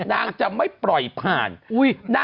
นางจะไม่ปล่อยผ่าน